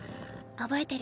覚えてる。